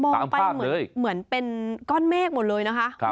ไปเหมือนเป็นก้อนเมฆหมดเลยนะคะ